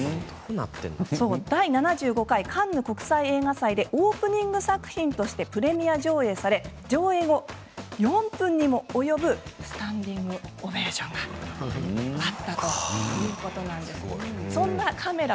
第７５回カンヌ国際映画祭でオープニング作品としてプレミア上映され上映後４分にも及ぶスタンディングオベーションがあったということです。